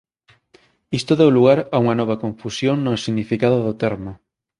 Isto deu lugar a unha nova confusión no significado do termo.